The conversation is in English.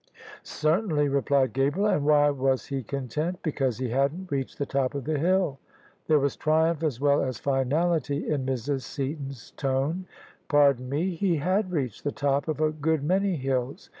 "Certainly," replied Gabriel. "And why was he con tent?" " Because he hadn't reached the top of the hill." There was triumph as well as finality in Mrs. Seaton's tone. " Pardon me : he had reached the top of a good many hills.